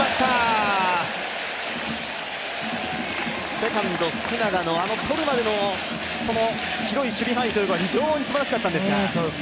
セカンド・福永のとるまでの広い守備範囲というのは非常にすばらしかったんですが。